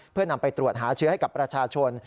เพื่อนำไปตรวจหาเชื้อให้กับประชาชน